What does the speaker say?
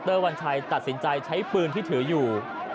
วัญชัยตัดสินใจใช้ปืนที่ถืออยู่